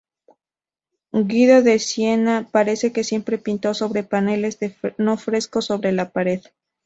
Guido da Siena parece que siempre pintó sobre paneles, no frescos sobre la pared.